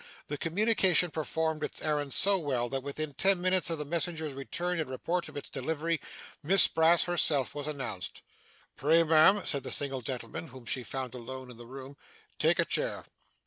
The communication performed its errand so well, that within ten minutes of the messenger's return and report of its delivery, Miss Brass herself was announced. 'Pray ma'am,' said the single gentleman, whom she found alone in the room, 'take a chair.